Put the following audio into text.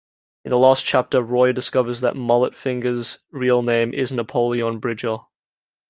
In the last chapter Roy discovers that Mullet Fingers's real name is Napoleon Bridger.